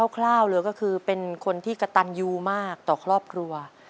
คร่าวเลยก็คือเป็นคนที่กระตันยูมากต่อครอบครัว